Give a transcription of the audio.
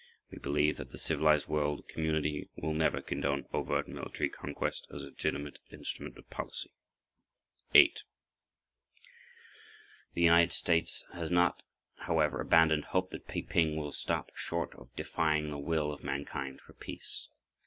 We believe that the civilized world community will never condone overt military conquest as a legitimate instrument of policy. 8. The United States has not, however, abandoned hope that Peiping will stop short of defying the will of mankind for peace.